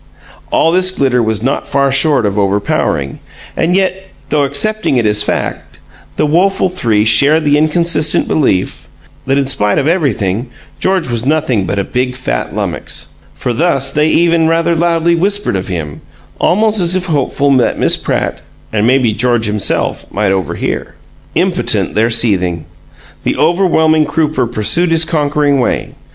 All this glitter was not far short of overpowering; and yet, though accepting it as fact, the woeful three shared the inconsistent belief that in spite of everything George was nothing but a big, fat lummox. For thus they even rather loudly whispered of him almost as if hopeful that Miss Pratt, and mayhap George himself, might overhear. Impotent their seething! The overwhelming Crooper pursued his conquering way.